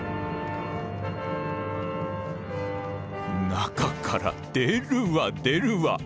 中から出るわ出るわ。